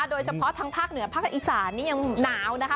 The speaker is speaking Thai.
โดยเฉพาะทางภาคเหนือภาคอีสานนี่ยังหนาวนะคะ